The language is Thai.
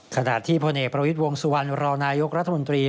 ขณะที่พลเอกประวิทย์วงสุวรรณรองนายกรัฐมนตรี